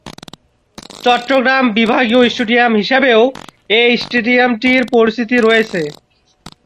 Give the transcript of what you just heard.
চট্টগ্রাম বিভাগীয় স্টেডিয়াম হিসেবেও এ স্টেডিয়ামটির পরিচিতি রয়েছে।